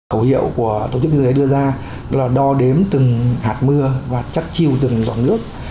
hậu hiệu của tổ chức thế giới đưa ra là đo đếm từng hạt mưa và chắc chiêu từng giọt nước